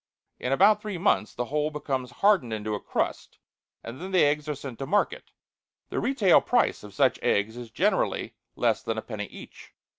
In about three months the whole becomes hardened into a crust, and then the eggs are sent to market; the retail price of such eggs is generally less than a penny each.